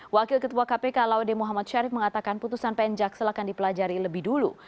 wakil ketua kpk laude muhammad syarif mengatakan putusan pn jaksel akan dipelajari lebih dulu